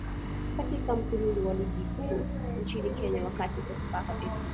katika msururu wa ligi kuu nchini kenya wakati sofapaka fc